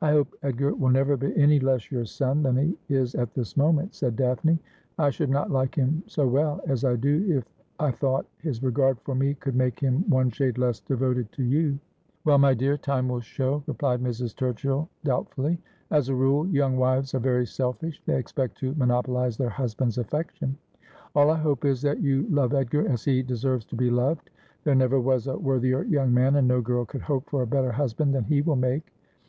' I hope Edgar will never be any less your son than he is at this moment,' said Daphne. ' I should not like him so well as I do if thought his regard for me could make him one shade less devoted to you.' ' Well, my dear, time will show,' replied Mrs. Turchill doubt fully. ' As a rule young wives are very selfish ; they expect to monopolise their husbands' affection. All I hope is that you love Edgar as he deserves to be loved. There never was a worthier young man, and no girl could hope for a better hus band than he will make.'